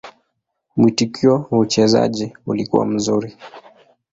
Mwitikio kwa uchezaji ulikuwa mzuri.